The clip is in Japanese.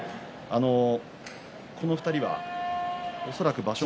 この２人は恐らく場所